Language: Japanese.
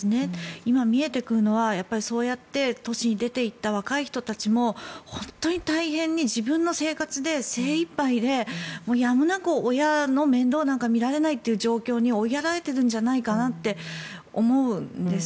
今、見えてくるのはそうやって都市に出ていった若い人たちも本当に大変で自分の生活で精いっぱいでやむなく親の面倒なんか見られないという状況に追いやられているんじゃないかと思うんです。